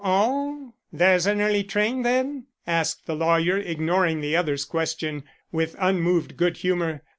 "Oh! there's an early train then?" asked the lawyer, ignoring the other's question with unmoved good humor.